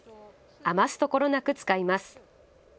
余すところなく使います。